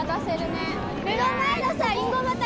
目の前の。